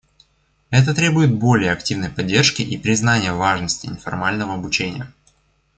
Это требует более активной поддержки и признания важности неформального обучения.